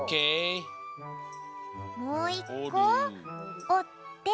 もう１こおって。